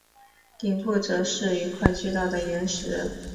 顶部则是一块巨大的岩石。